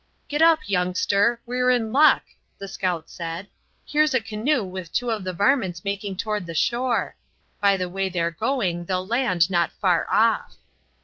"Get up, youngster! We're in luck," the scout said. "Here's a canoe with two of the varmints making toward the shore. By the way they're going they'll land not far off."